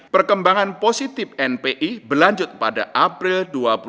perkembangan positif npi berlanjut pada april dua ribu dua puluh